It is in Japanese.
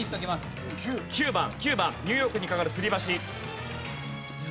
ニューヨークにかかるつり橋。